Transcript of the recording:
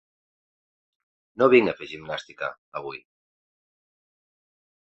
No vinc a fer gimnàstica, avui.